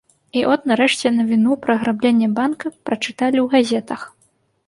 І от, нарэшце, навіну пра аграбленне банка прачыталі ў газетах.